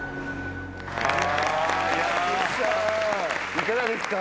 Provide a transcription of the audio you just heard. いかがですか？